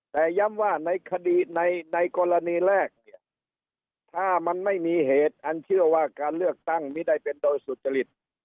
แต่ย้ำว่าในคดีในกรณีแรกเนี่ยถ้ามันไม่มีเหตุอันเชื่อว่าการเลือกตั้งไม่ได้เป็นโดยสุจริต